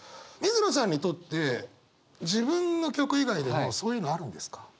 水野さんにとって自分の曲以外でもそういうのあるんですか？